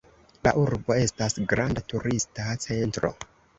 La urbo estas granda turista centro.